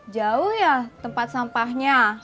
jauh ya tempat sampahnya